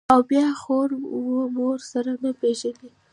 او بيا خور و مور سره نه پېژني.